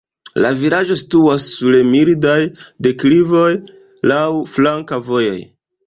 La vilaĝo situas sur mildaj deklivoj, laŭ flanka vojoj.